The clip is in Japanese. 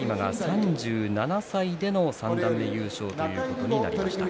３７歳での三段目優勝ということになりました。